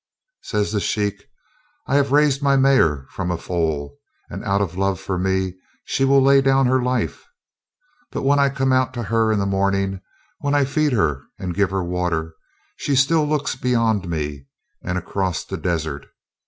Says the Sheik: "I have raised my mare from a foal, and out of love for me she will lay down her life; but when I come out to her in the morning, when I feed her and give her water, she still looks beyond me and across the desert.